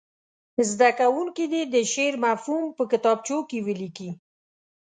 زده کوونکي دې د شعر مفهوم په کتابچو کې ولیکي.